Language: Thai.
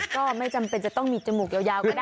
ก็ไม่จำเป็นจะต้องมีจมูกยาวก็ได้